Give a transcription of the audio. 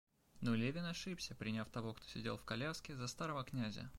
Но Левин ошибся, приняв того, кто сидел в коляске, за старого князя.